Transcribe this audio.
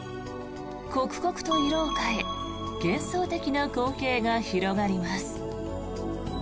刻々と色を変え幻想的な光景が広がります。